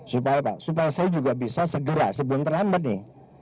supaya saya juga bisa segera sebelum terlambat nih